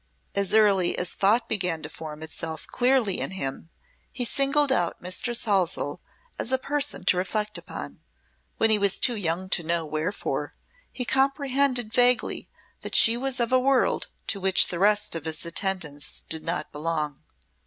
As early as thought began to form itself clearly in him, he singled out Mistress Halsell as a person to reflect upon. When he was too young to know wherefore, he comprehended vaguely that she was of a world to which the rest of his attendants did not belong.